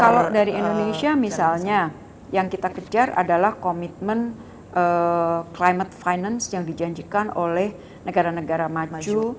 kalau dari indonesia misalnya yang kita kejar adalah komitmen climate finance yang dijanjikan oleh negara negara maju